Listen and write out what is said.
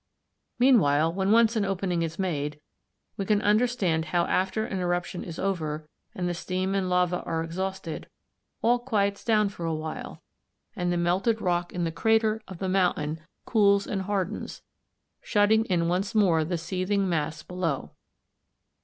Meanwhile, when once an opening is made, we can understand how after an eruption is over, and the steam and lava are exhausted, all quiets down for awhile, and the melted rock in the crater of the mountain cools and hardens, shutting in once more the seething mass below.